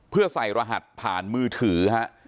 เพื่อใส่รหัสผ่านมือถือฮะ